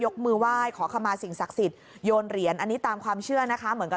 ยกมือไหว้ขอคำมาสิ่งศักดิ์สิทธิ์ยนต์เหรียญอันนี้ตามความเชื่อนะคะ